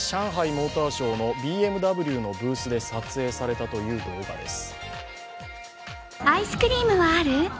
モーターショーのＢＭＷのブースで撮影されたという動画です。